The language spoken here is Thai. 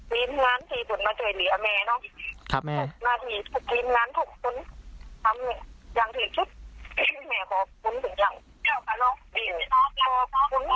เดี๋ยวตอนนี้สาวเป็นใครบอกทั้งภาพภารกรณีตั้งแต่ลูกภาพหลานเขา